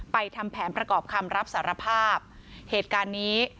ทำแผนประกอบคำรับสารภาพเหตุการณ์นี้